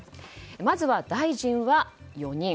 まずは大臣は４人。